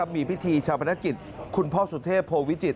มีพิธีชะพนักกิจคุณพ่อสุทธิบโผวิจิต